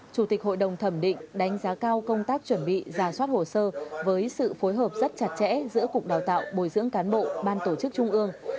chủ tịch hội đồng thẩm định đánh giá cao công tác chuẩn bị giả soát hồ sơ với sự phối hợp rất chặt chẽ giữa cục đào tạo bồi dưỡng cán bộ ban tổ chức trung ương